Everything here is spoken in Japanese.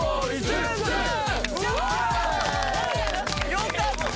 よかった